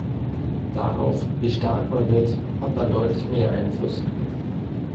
Darauf, wie stark man wird, hat man deutlich mehr Einfluss.